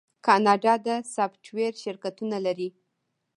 کاناډا د سافټویر شرکتونه لري.